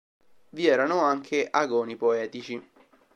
Vi erano anche agoni poetici.